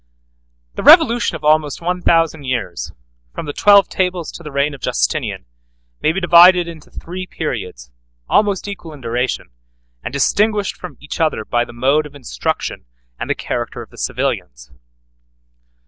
521 The revolution of almost one thousand years, from the Twelve Tables to the reign of Justinian, may be divided into three periods, almost equal in duration, and distinguished from each other by the mode of instruction and the character of the civilians.